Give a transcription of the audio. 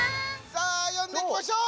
さあ読んでいきましょう！